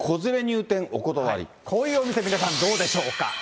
こういうお店、皆さんどうでしょうか。